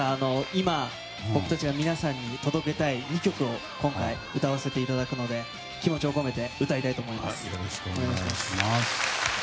今、僕たちが皆さんに届けたい２曲を今回歌わせていただくので気持ちを込めて歌いたいと思います。